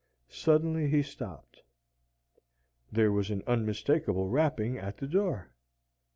Suddenly he stopped. There was an unmistakable rapping at the door.